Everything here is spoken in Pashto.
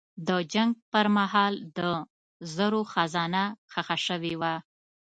د جنګ پر مهال د زرو خزانه ښخه شوې وه.